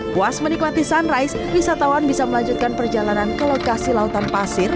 puas menikmati sunrise wisatawan bisa melanjutkan perjalanan ke lokasi lautan pasir